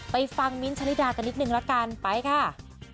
ไปฟังมิ้นท์ชะลิดากันนิดนึงละกันไปค่ะ